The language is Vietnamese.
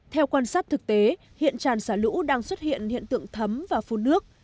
theo quan sát thực tế hiện tràn xả lũ đang xuất hiện hiện tượng thấm và phun nước